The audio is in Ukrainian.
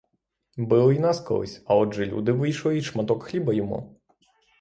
Били й нас колись, а отже люди вийшли й шматок хліба їмо.